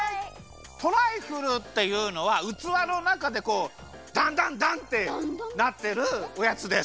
トライフルっていうのはうつわのなかでこうダンダンダンってなってるおやつです！